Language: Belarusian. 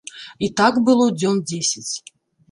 І так было дзён дзесяць.